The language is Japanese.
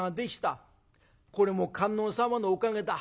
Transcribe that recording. これも観音様のおかげだ。